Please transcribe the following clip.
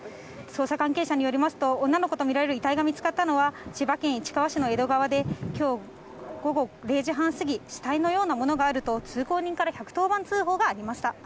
捜査関係者によりますと、女の子と見られる遺体が見つかったのは、千葉県市川市の江戸川で、きょう午後０時半過ぎ、死体のようなものがあると、通行人から１１０番通報がありました。